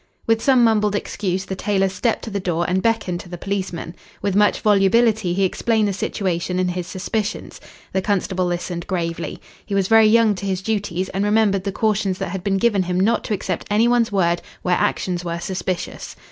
With some mumbled excuse the tailor stepped to the door and beckoned to the policeman. With much volubility he explained the situation and his suspicions. The constable listened gravely. He was very young to his duties, and remembered the cautions that had been given him not to accept any one's word where actions were suspicious.